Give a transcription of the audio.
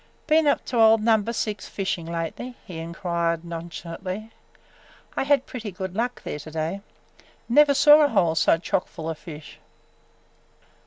"Been up to old Number Six fishing lately?" he inquired nonchalantly. "I had pretty good luck there to day. Never saw a hole so chockfull of fish!"